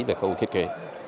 về khâu thiết kế